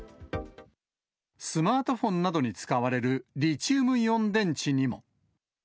スマートフォンなどに使われるリチウムイオン電池にも。